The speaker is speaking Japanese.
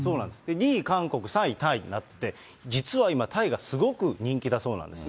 ２位韓国、３位タイになって、実は今タイがすごく人気だそうなんですね。